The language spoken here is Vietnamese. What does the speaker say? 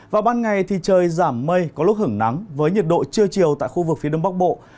vào ban ngày thì trời giảm mây có lúc hưởng nắng với nhiệt độ trưa chiều tại khu vực phía đông bắc bộ